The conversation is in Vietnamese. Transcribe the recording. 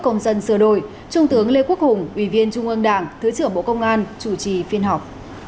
công dân sửa đổi trung tướng lê quốc hùng ủy viên trung ương đảng thứ trưởng bộ công an chủ trì phiên họp